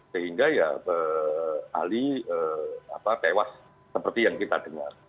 sehingga ya ahli tewas seperti yang kita dengar